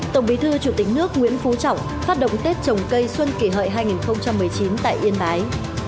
tổng bí thư chủ tịch nước nguyễn phú trọng phát động tết trồng cây xuân kỷ hợi hai nghìn một mươi chín tại yên bái